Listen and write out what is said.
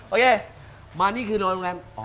โอเคมานี่คือนอนครับ